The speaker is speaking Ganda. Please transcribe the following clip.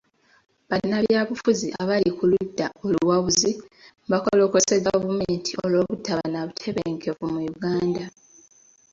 Bannabyabufuzi abali ku ludda oluwabuzi bakolokose gavumenti olw'obutaba na butebenkevu mu Uganda.